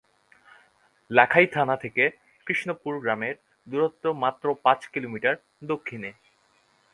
লাখাই থানা থেকে কৃষ্ণপুর গ্রামের দূরত্ব মাত্র পাঁচ কিলোমিটার দক্ষিণে।